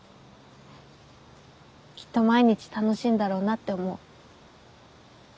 きっと毎日楽しいんだろうなって思う。